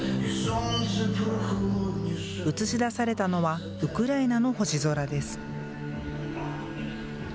映し出されたのはウクライナの星空です。